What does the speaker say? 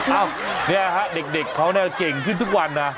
เอ้านี่นะครับเด็กเขาเก่งขึ้นทุกวันนะ